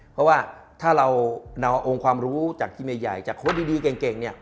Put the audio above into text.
เพราะว่าถ้าเราเอาองค์ความรู้จากทีมใหญ่จากโค้ดดีเก่งเนี่ย